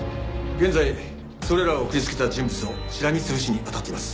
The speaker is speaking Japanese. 現在それらを送りつけた人物をしらみつぶしに当たっています。